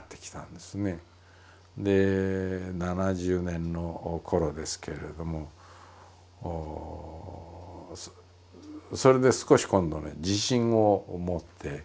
で７０年の頃ですけれどもそれで少し今度ね自信を持ってくるようになりました。